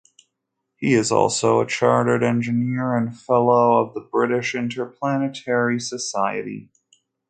He is also a chartered engineer and fellow of the British Interplanetary Society.